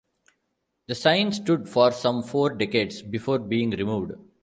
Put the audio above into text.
The sign stood for some four decades before being removed.